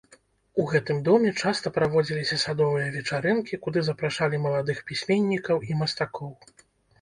У гэтым доме часта праводзіліся садовыя вечарынкі, куды запрашалі маладых пісьменнікаў і мастакоў.